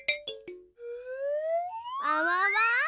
あわわ！